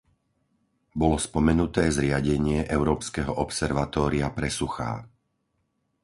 Bolo spomenuté zriadenie európskeho observatória pre suchá.